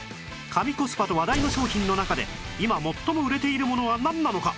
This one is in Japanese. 神コスパと話題の商品の中で今最も売れているものはなんなのか？